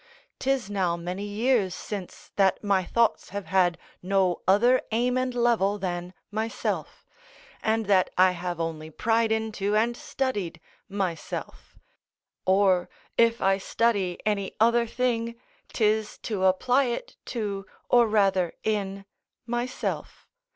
'Tis now many years since that my thoughts have had no other aim and level than myself, and that I have only pried into and studied myself: or, if I study any other thing, 'tis to apply it to or rather in myself.